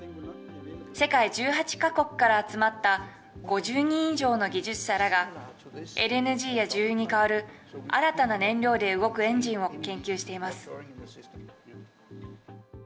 世界１８か国から集まった５０人以上の技術者らが、ＬＮＧや重油にかわる新たな燃料で動くエンジンを研究しています。